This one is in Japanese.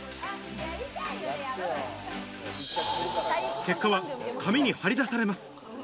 結果は紙に張り出されます。